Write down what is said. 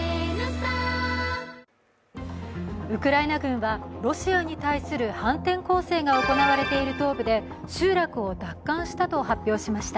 ウクライナ軍はロシアに対する、反転攻勢が行われている東部で集落を奪還したと発表しました。